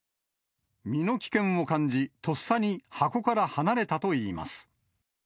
身の危険を感じ、とっさに箱から離れたといいます。